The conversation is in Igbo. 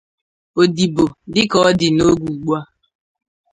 Odibo dịka ọ dị n’oge ugbua